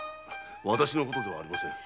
私のことではありませんが。